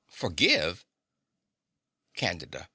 Forgive! CANDIDA.